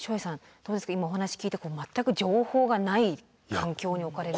どうですか今お話聞いて全く情報がない状況に置かれる。